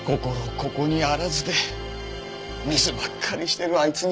ここにあらずでミスばっかりしてるあいつに。